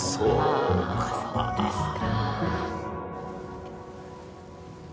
あそうですか。